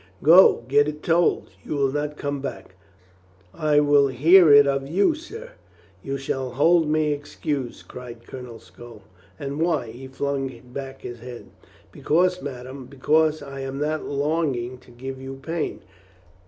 "Go, get it told. You will not come back." "I will hear it of you, sir." "You shall hold me excused," cried Colonel Stow. "And why?" He flung back his head. "Because, madame — be cause I am not longing to give you pain."